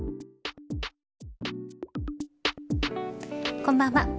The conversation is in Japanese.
こんばんは。